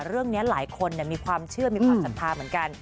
เรื่องนี้หลายคนมีความเชื่อมีความศรัทธาเหมือนกัน